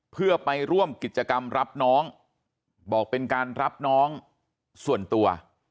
เพื่อไปร่วมกิจกรรมรับน้องบอกเป็นการรับน้องส่วนตัว